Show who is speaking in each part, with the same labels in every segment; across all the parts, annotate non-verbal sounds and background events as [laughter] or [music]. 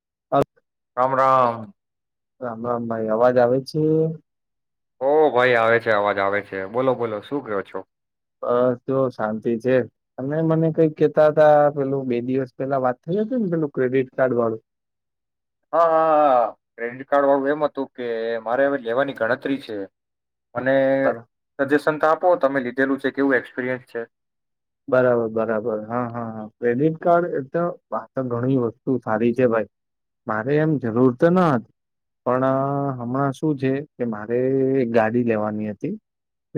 Speaker 1: [unintelligible]
Speaker 2: રામ રામ
Speaker 1: રામ રામ ભાઈ અવાજ આવે છે?
Speaker 2: ઓ ભાઈ આવે છે, અવાજ આવે છે, બોલો બોલો શું કેવ છો?
Speaker 1: બસ જો શાંતિ છે. તમે મને કઈ કેતા હતા પેલું બે દિવસ પેલા વાત થઈ હતી ને પેલું ક્રેડિટ કાર્ડ વાળું?
Speaker 2: હા હા ક્રેડિટ કાર્ડ વાળું એમ હતું કે મારે હવે લેવાની ગણતરી છે. મને‌
Speaker 1: બરા-
Speaker 2: સજેશન તો આપ તો તમે લીધેલું છે કેવું એક્સપિરિયન્સ છે?
Speaker 1: બરાબર બરાબર હા હા હા ક્રેડિટ કાર્ડ એ તો ઘણી વસ્તુ સારી છે ભાઈ. મારે એમ જરૂર તો ના હતી પણ હમણાં શું છે કે, મારે એક ગાડી લેવાની હતી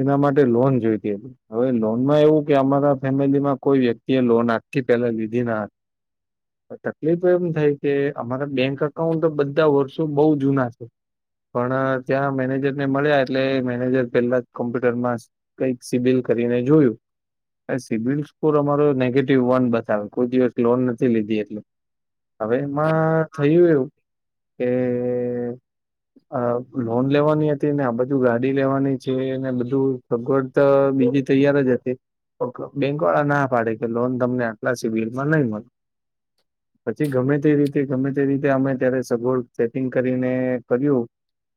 Speaker 1: એના માટે લોન જોઈતી હતી, હવે લોનમાં એવું કે અમારા ફેમિલીમાં કોઈ વ્યક્તિએ લોન આખી પહેલા લીધી ના હતી. તકલીફ એમ થઈ કે અમારા બેંક અકાઉન્ટ બધા વર્ષો બહુ જૂના છે. પણ ત્યાં મેનેજરને મળ્યા એટલે મેનેજર પેલા કોમ્પ્યુટરમાં કઈક સિબિલ કરીને જોયું સિબીલ સ્કોર અમારો નેગેટિવ વન બતાવે કોઈ દિવસ લોન નથી લીધી એટલે, હવે એમાં થયું એવું કે અ લોન લેવાની હતી ને આ બધું ગાડી લેવાની છે, ને બધું સગવડ તો બીજી તૈયાર જ હતી. ઓ બેંક વાળા ના પાડે કે લોન તમને આટલા સિબિલમાં નહી મળે. પછી ગમે તે રીતે ગમે તે રીતે અમે ત્યારે સગવડ સેટિંગ કરીને કર્યું.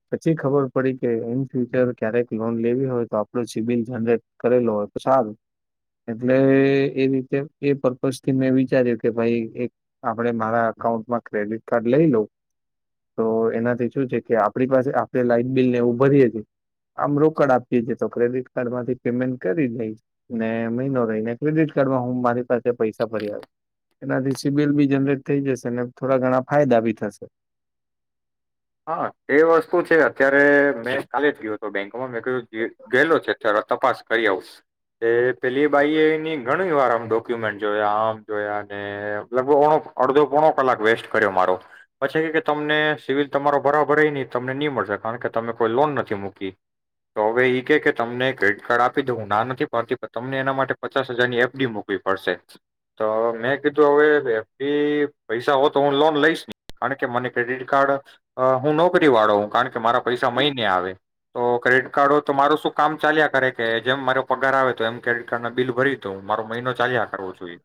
Speaker 1: પછી ખબર પડી કે ઈન ફ્યુચર ક્યારેક લોન લેવી હોય તો આપણુ સિબિલ જનરેટ કરેલો હોય તો સારું. એટલે એ રીતે એ પર્પઝ થી મેં વિચાર્યું કે ભાઈ એક આપણે મારા અકાઉન્ટમાં ક્રેડિટ કાર્ડ લઈ લઉ, તો એનાથી શું છે કે આપણી પાસે આપણે લાઈટ બિલને એવું ભરીએ છીએ આમ રોકડ આપીએ તો ક્રેડિટ કાર્ડમાંથી પેમેન્ટ કરી દઈ ને મહિનો રહીને ક્રેડિટ કાર્ડમાં હું મારી પાસે પૈસા ભરી આવ. એનાથી સિબિલ બી જનરેટ થઈ જશે, થોડા ઘણા ફાયદા બી થશે.
Speaker 2: હા એ વસ્તુ છે. ‌અત્યારે મેં કાલે જ ગીયો હતો બેંક તમાર મેં કહ ગેલો છે અત્યાર તપાસ કરી આવ. એ પેલી બાઈ એની ઘણી વાર આમ ડોક્યુમેન્ટ જોયા આમ જોયા, લગભગ ઓ અડધો પોણો કલાક વેસ્ટ કર્યો મારો પછી કેય તમને સિબિલ તમારો બરાબર હય નહી તમને નહી મળશે કારણ કે તમે કોઈ લોન નથી મૂકી. ‌ તો હવે ઈ કે કે તમને ક્રેડિટ કાર્ડ આપી દો હું ના નથી પાડતી પણ તમને એના માટે પચાસ હજારની એફડી મૂકવી પડશે તો મેં કીધું હવે એફડી પૈસા હો તો હું લોન લઈશ નહી કારણકે મને ક્રેડિટ કાર્ડ હું નોકરી વાળો કારણ કે મારા પૈસા મહિને આવે તો ક્રેડિટ કાર્ડ કાઢુ‌ તો મારું શું કામ ચાલ્યા કરે કે જેમ મારો પગાર આવે તો એમ ક્રેડિટ કાર્ડ ના બિલ ભરી તો હું મારો મહિનો ચાલ્યા કરવો જોઈએ.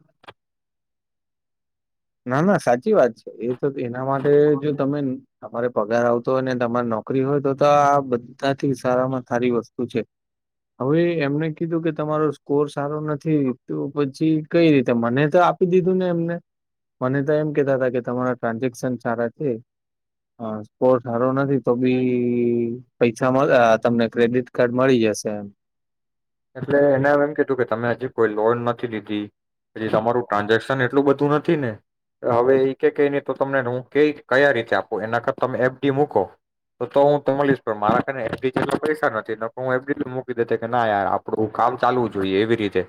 Speaker 1: ના ના સાચી વાત છે. એ તો એના માટે જો તમે તમારે પગાર આવતો હોય ને તમારે નોકરી હોય તો તો આ બધાથી સારામાં સારી વસ્તુ છે હવે એમને કીધું કે તમારો સ્કોર સારો નથી પછી કઈ રીતે મને તો આપી દીધું ને એમને મને તો એમ કતા હતા કે તમારા ટ્રાન્ઝેક્શન સારા છે સ્કોર સારો નથી તો બી પૈસા તમને ક્રેડિટ કાર્ડ મળી જશે એમ
Speaker 2: એટલે એનેમ એમ કીધું કે તમે હજી કોઈ લોન નથી લીધી પ તમારું ટ્રાન્ઝેક્શન એટલું બધું નથી ને હવે એ કે ક નહી તો તમને હું ક કયા રીતે આપું એના કરતા તમે એફડી મૂકો તો તો હું મળીશ પણ મારા એફડી જેટ પૈસા નથી હું એફડી મૂકી દેતી કે ના યાર આપડું કામ ચાલવું જોઈએ એવી રીતે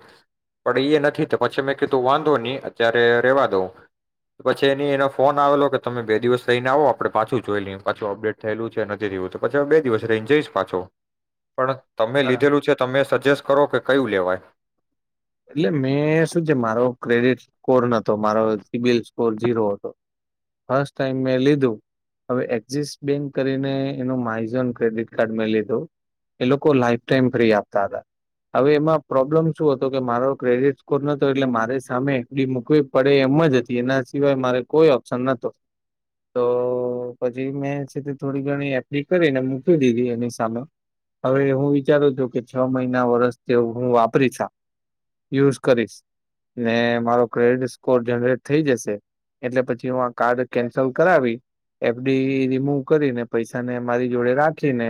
Speaker 2: પણ એ નથી તો પછી મેં કીધું વાંધો નહી અત્યારે રેવા દઉં પછી એની એનો ફોન આવેલો કે તમે બે દિવસ રહીને આવો આપડણે પાછું જોઈ લ પાછું અપડેટ થયેલું છે નથી થવું તો પછી હું બે દિવસ રહીને જઈશ પાછો. પણ તમે
Speaker 1: બરા
Speaker 2: લીધેલું છે. જેસ્ટ કરો કે કયું લેવાય.
Speaker 1: એટલે મેં શું છે મારો ક્રેડિટ સ્કોર નતો મારો સીબિલ સ્કોર ઝીરો હતો ફસ્ટ ટાઈમ મેં લીધું હવે એક્ઝિસ બેન્ક કરીને એનું માઇઝોન ક્રેડિટ કાર્ડ મેં લીધું એ લોકો લાઈફ ટાઈમ ફ્રી આપતા હતા હવે એમાં પ્રોબ્લમ શું તો કે મારો ક્રેડિટ સ્કોર નતો એટલે મારી સામે એપડી મૂકવી પડે એમ જ હતી એના સિવાય મારે કોઈ ઓપ્શન નતો તો પછી મેં સીધી થોડી ઘણી એપ્લી કરીને મૂકીવી દીધી એની સામે હવે હું વિચારું છું કે છ મહિના વરસ તે હું વાપરી યુઝ કરીશ ને મારો ક્રેડિટ સ્કોર જનરેટ થઈ જશે એટલે પછી હું આ કાર્ડ કેન્સલ કરાવી એફડી રિમૂવ કરીને પૈસાને મારી જોડે રાખીને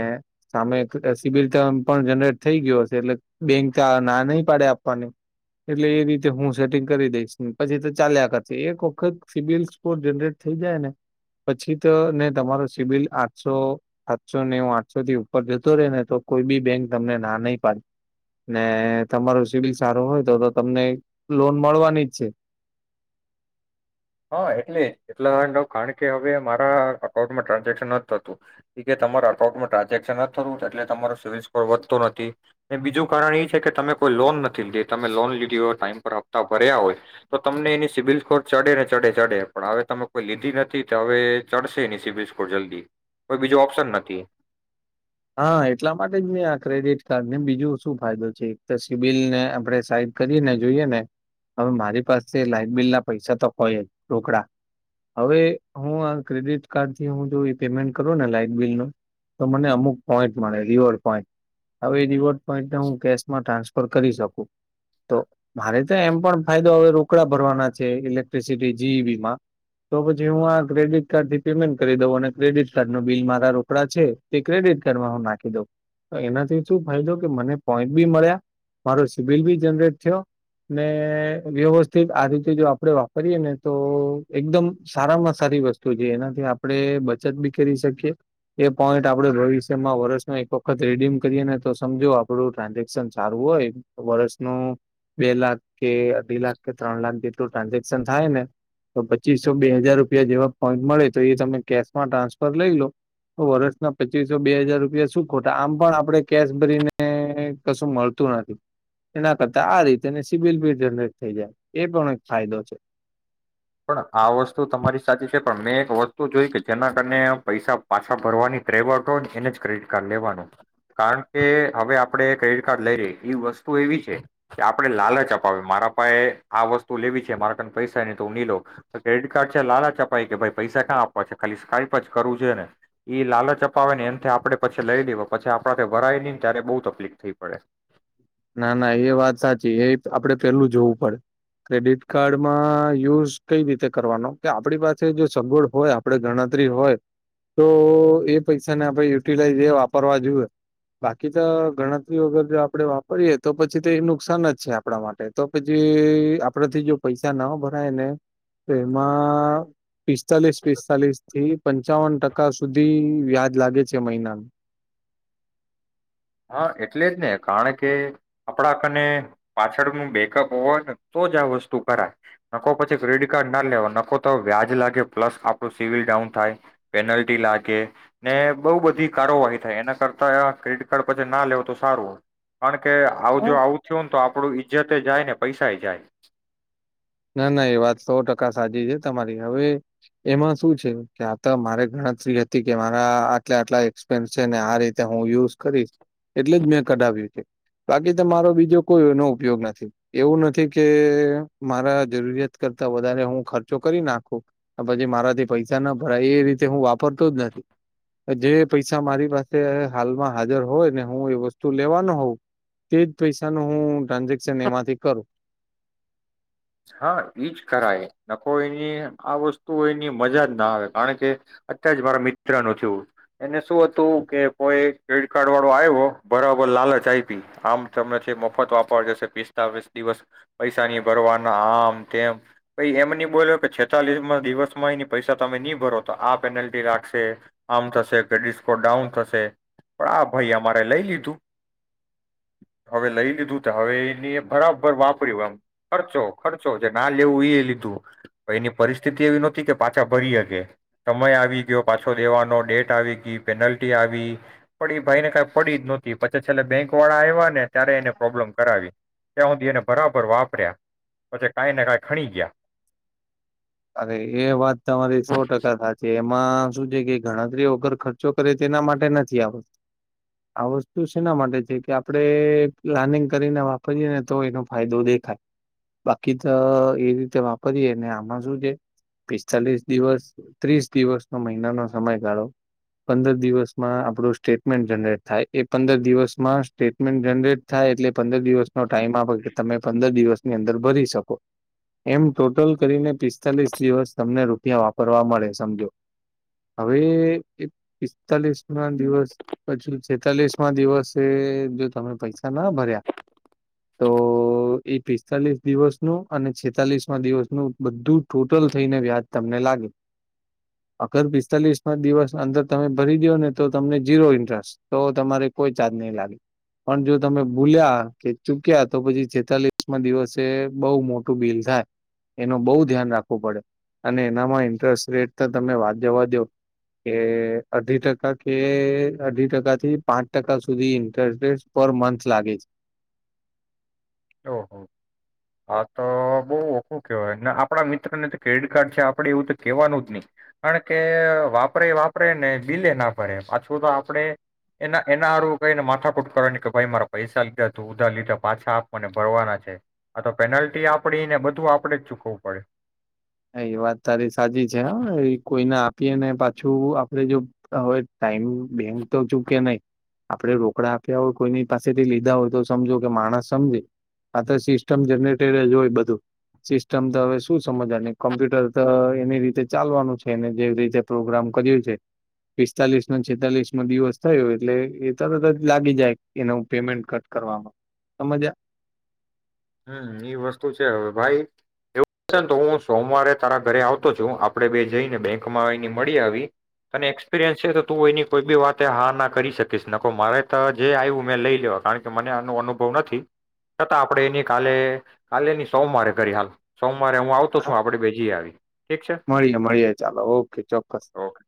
Speaker 1: સામેબી રતે પણ જનરેટ થઈ ગયો હશે એટલે બેંક ના ડ આપ એટલે એ રીતે હું સેટિંગ કરી દઈશ પછી તો ચાલ્યા કર એક વખત સબિલ સ્કોર જનરેટ થઈ જાય ને પછી તો ને તમારો સિબિલ આઠસો સાતસો ને હ આઠસો થી ઉપર જતો રહેે ને તો કોઈ બી બેંક તમને ના નહી પાડી ને તમારું સિબિલ સારું હોય તો તો તમને લોન મળવાની જ છે.
Speaker 2: હા એટલે એટલા ન કારણ કે હવે મારા અકાઉન્ટમાં ટ્રાન્ઝેક્શન નથી થતું કે તમારા અકાઉન્ટમાં ટ્રાન્ઝેક્શન ન થતું એટલે તમારો સિવિલ સ્કોર વધતો નથી બીજું કારણ એ છે કે તમે કોઈ લોન નથી લીધે તમે લોન લીધી હોય ટાઈમ પર હપ્તા ભર્યા હોય તો તમને એની સિવિલ સ્કોર ચ ચડે ચડે પણ હવે તમે કોઈ લીધી નથી તો હવે ચડશે નીસી બિસ્કોટ જલ્દી કોઈ બીજું ઓપ્શન નથી.
Speaker 1: હા એટલા માટે જ મેં આ ક્રેડિટ કાર્ડ ને બીજું શું ફાયદો છે એક તો સિબિલને આપણે સાઈડ કરીને જોઈએ ને હવે મારી પાસે લાાઈટ બિલ ના પૈસા તો હોય જ રઢોકડા હવે હું આ ક્રેડિટ કાર્ડ થી હું જો પેમેન્ટ કરું ને લાાઈટ બિલ નું તો મને પોઈન્ટ મળ રિવોર્ડ પોઈન્ટ હવે એ રિવોર્ડ પોઈન્ટને હું કેશમાં ટ્રાન્સફર કરી શકું તો મારે તો એમ પણ ફાયદો હવે રોકડા ભરવાના છે ઇલેક્ટ્રિસિટી જીઈબીમાં તો પછી હું આ ક્રેડિટ કાર્ડ થી પેમેન્ટ કરી દઉં અને ક્રેડિટ કાર્ડ ન બિલ મારા રોકડા છે તે હું નાખી દઉં એનાથી શું ફાયદો કે મને પોઈન્ટ બી મળ્યા મારો સિબિલ બી જનરેટ થયો ને વ્યવસ્થિત આ રીતે જો આપડે વાપરીએ ને તો એકદમ સારામાં સારી વસ્તુ છે એનાથી આપણે બચત બી કરી શકીએ એ પોઈન્ટ આપણે ભવ માં વર્ષનો એક વખત રીડીમ કરીએ ને તો સમજો આપડું ટ્રાન્ઝેક્શન સારું હોય વર્ષનું બે લ કે અઢી લાખ કે ત્રણ લાખ લા ટ્રાન્ઝેક્શન થાય ને તો પચીસો બે હાજાર રૂપિયા જેવા પોઈન્ટ મળે તો એ તમે કેશમાં ટ્રાન્સફર લઈ લો તો વર્ષના પ બે હજાર રૂપિયા શું ખોટા આમ પણ આપણે કેશ ભરીને કશું મળતું નથી એના કરતા આ રીતેને સબિલ બીલ જનરેટ થઈ જાય એ પણ એક ફાયદો છે.
Speaker 2: પણ આ વસ્તુ તમારી સાચી છે પણ મેં એક વસ્તુ જોય કે જેના કારને પૈસા પાછા ભરવાની ટ્રેવર્ હોય ને એને જ ક્રેડિટ કાર્ડ લેવાનું કારણ કે હવે આપડે ક્રેડિટ કાર્ડ લઈ ર એ વસ્તુ એવી છે કે આપડણે લાલચ અપાવી મારા પાાયે આ વસ્તુ લેવી છે મારા ું ની લો ક્રેડિટ કાર્ડ છે લાાલ ચપી કે ભાઈ પૈસા ક્યાં આપવા છે ખાલી કપ જ કરવું છે ને લાલચપાવે ને એમ આપે પછી લઈ લેવા પછી આપણા ભરાય નઈ ને ત્યારે બહુ તકલીફ થઈ પડે.
Speaker 1: ના ના એ વાત સાચી એ આપડે પેલું જોવું પડે ક્રેડિટ કાર્ડમાં યુઝ કઈ રીતે કરવાનો કે આપણી પાસે જો સગવડ હોય આપડ ગણતરી હોય તો એ પૈસાને આપણે યુટિલાઈઝ એ વાપરવા જોુએ બાકી તો ગણતરી વગર જો આપણે કરીરીએ તો પછી તો એ નુકસાન જ છે આપણા માટે તો પછી આપડાથી જો પૈસા ના ભરાય ને તો એમાં પિસ્તાલીસ પિસ્તાલીસ થી પંચાવન ટકા સુધી વ્યાજ લાગે છે મહિનાનું.
Speaker 2: હા એટલે જ ને કારણ કે આપડા કને પાછળનું બેકઅપ હો હોય ને તો જ આ વસ્તુ કરાય નકો પછી ક્રેડિટ કાર્ડ ના લેવા નકો તો વ્યાજ લાગે પ્લસ આપણું સિવિલ ડાઉન થાય પેનલ્ટી લાગે ને બહુ બધી કારોવાહી થાય એના કરતા પછી ના લેવ તો સારું. કે આવું જો આવું થયું ને તો આપડુ ઇજ્જતે જાય ને પૈસા જાય.
Speaker 1: ના ના એ વાત સો કા સાજી છે. તમારી હવે એમાં શું છે, કે આ મારે ગણતરી હતી. કે મારા આટલા આટલા એક્સપેન્સ છે. ને આ રીતે હું યુઝ કરીશ એટલે જ મેં કઢાવ્યું છે. બાકી તો મારો બીજો કોઈ એનો ઉપયોગ નથી એવું નથી કે, મારા જરૂરિયાત કરતા વધારે, હું ખર્ચો કરી નાખું પછી, મારાથી પૈસા ના ભરાય એ રીતે, હું વાપરતો જ નથી. જે પૈસા મારી પાસે હાલમાં હાજર હોયને, હું એ વસ્તુ લેવાનો હોઉ તે જ પૈસા ન હું ટ્રાન્ઝેક્શન એમાંથી કરું
Speaker 2: હા, ઈજ ખરાય નખ એની આ વસ્તુ એની મજા જ ના આવે. કારણ કે, અત્ય જ મારા મિત્ર ન થયું. એને શું હતું. કે કોઈ ક્રેડિટ કાર્ડ વાળો આવ્યો બરાબર. લાલચ આપી. આમ, તમને મફત વાપરી જશે. પિસ્તાલીસ દિવસ પૈસા ની ભરવાના. આમ, તેમ ભાઈ એમની બોલ્યો કે, છેતાલીસ માં દિવસમાં એની પૈસા તમે ની ભરો તો આ પેનલ્ટી લાગશે. આમ થશે ક્રેડિટ સ્કોર ડાઉન થશે પણ આ ભાઈ અમારે લઈ લીધું. હવે, લઈ લીધું તો હવે એને બરાબર વાપર્યું. એમ ખર્ચો ખર્ચો જે ના લેવું. એ લીધું એની પરિસ્થિતિ એવી નહોતી, કે પાછા ભરી હકે સમય આવી ગયો. પાછો, દેવાનો ડેટ આવી ગઈ. પેનલ્ટી આવી પણ એ ભાઈને કઈ પડી જ ન હતી. પછી છે, ને બેંકવાળા આવ્યા ને ત્યારે, એને પ્રોબ્લેમ કરાવી. ત્યાં, સુધી એને બરાબર વાપર્યા. પછી, કાંઈને કાંઈ ખણી ગયા.
Speaker 1: અરે એ વાત તમારી સો ટકા સાચી એ એમાં શું છે, કે ગણતરી વગર ખર્ચો કરે તેના માટે નથી. આ વસ્ત આ વસ્તુ શેના માટે છે, કે આપણેે પ્લાનિંગ કરીને વાપરીયએ, ને તો એનો ફાયદો દેખાય. બાકી તો, એ રીતે વાપરીએ ને આમાં શું પિસ્તાલીસ દિવસ, ત્રીસ દિવસ, નવ મહિના નો સમયગાળો પંદર દિવસમાં આપણું સ્ટેટમેન્ટ જનરેટ થાય. એ પંદર દિવસમાં સ્ટેટમેન્ટ જનરેટ થાય, એટલે પંદર દિવસ. નો ટાઈમ આપે. કે, તમે પંદર દિવસ ની અંદર ભરી શકો. એમ ટોટલ કરીને પ પિસ્તાલીસ દિવસ તમને રૂપિયા વાપરવા મળે સમજો. હવે, પિસ્તાલીસમાં દિવસ પછી, છેતાલીસ દિવસે જો તમે પૈસા ના ભર્યા, તો એ પિસ્તાલીસ દિવસનું અને છેતાલીસ દિવસનું બધું જ ટોટલ થઈને, વ્યાજ તમને લાગે. અગર પિસ્તાલીસમાં દિવસ અંદર તમે ભરી દો ને તો તમને ઝીરો ઇન્ટરેસ્ટ તો તમારે કોઈ ચાર્જ નહીં લાગે. પણ, જો તમે ભૂલ્યા કે ચૂક્યા તો પછી, છેતાલીસ દિવસે બહુ મોટું બિલ થાય એનું બહુ ધ્યાન રાખો. પડે. અને એનામાં ઇન્ટરેસ્ટ રેટ તમે વાત જવા દો કે અઢી ટકા કે, અઢી ટકા થી પાંચ ટકા સુધી ઇન્ટરેસ્ટે પર મંથ લાગે છે.
Speaker 2: ઓહ, હા, તો બહ ઓખું કેવાય. આપણા મિત્રને તો ક્રેડિટ કાર્ડ છે. આપડે એવું તો કેવાનું નહી. કારણ કે, વાપરે વાપરે ને બિલે ના ભરે પાછું, તો આપડે એના એનારું કઈને માથાકૂટ કરવાની કે ભાઈ મારા પૈસા લીધા તું ઉધા લીધા પાછા. મને ભરવાના છે. આ તો પેનલ્ટી આપડી ને બધું આપણેે જ ચૂકવું પડે.
Speaker 1: એ વાત તારી સાચી છે, હ એ કોઈને આપીએ ને પાછું, આપડે જો હવે ટાઈમ બેંગ તો ચૂકે નહી, આપડે રોકડા આપ્યા હોય. કોઈની પાસેથી લીધા હોય તો સમજો કે, માણસ સમજે આ તો સિસ્ટમ જનરેટર જ હોય બધું સિસ્ટમ તો હવે શું સમજવા. કોમ્પ્યુટર તો એની રીતે ચાલવાનું છે. એને જેવી રીતે પ્રોગ્રામ કર્યું છે. પિસ્તાલીસ છેતાલીસ દિવસ થયો. એટલે એ તરત જ લાગી જાય. એનું પેમેન્ટ કટ કરવાવામાં સમજ
Speaker 2: હમ એ વસ્તુ છે. હવે, ભાઈ એવું છે, ને તો હું સોમવારે તારા ઘરે આવતો છું. આપડે બે જઈને બેંકમાં એની મળી આવી અનેને એક્સપિરિયન્સ છે. તો તું એની કોઈ બી વાત હા ના કરી શકીશ નખ મારે તો જે આવ્યું. મેં લઈ લેવા કારણ કે, મને આનો અનુભવ નથી છતાં, આપણે એની કાલે કાલે ની સોમવારે કરી, હાલ સોમવારે. મારે હું આવતો છું. આપે બીજી આવી. ઠીક છે
Speaker 1: મળીએે મળીએ. ચાલો, ઓકે ચોક્કસ.
Speaker 2: ઓકે ઠીક